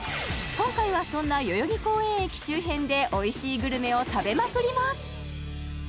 今回はそんな代々木公園駅周辺で美味しいグルメを食べまくります！